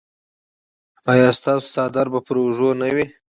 ایا ستاسو څادر به پر اوږه نه وي؟